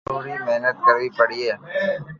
ٿوري مھنت ڪروي پڙئي